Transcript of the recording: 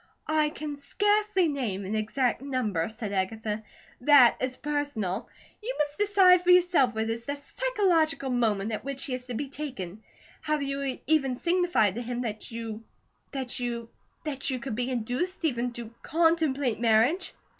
"I can scarcely name an exact number," said Agatha. "That is personal. You must decide for yourself what is the psychological moment at which he is to be taken. Have you even signified to him that you that you that you could be induced, even to CONTEMPLATE marriage?"